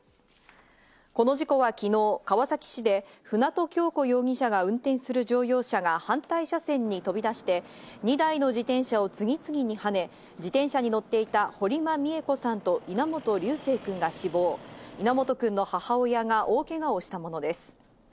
この事故は昨日、川崎市で舟渡今日子容疑者が運転する乗用車が反対車線に飛び出して２台の自転車を次々にはね、自転車に乗っていた堀間美恵子さんと稲本琉正くんが死亡、稲本君の母親が大けがをしたものです。